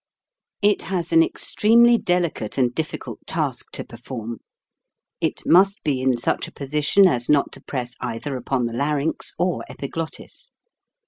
It has an extremely delicate and difficult task to perform. It must be in such a posi tion as not to press either upon the larynx or epiglottis.